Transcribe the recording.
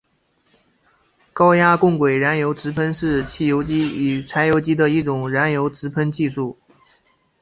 高压共轨燃油直喷是汽油机与柴油机的一种燃油直喷技术。